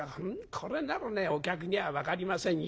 これならお客には分かりませんよ。